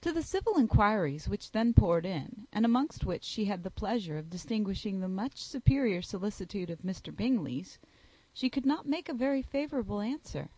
To the civil inquiries which then poured in, and amongst which she had the pleasure of distinguishing the much superior solicitude of Mr. Bingley, she could not make a very favourable answer.